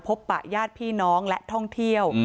ปะญาติพี่น้องและท่องเที่ยว